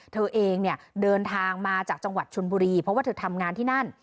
เธอเองเนี่ยเดินทางมาจากจังหวัดชนบุรีเพราะว่าเธอทำงานที่นั่น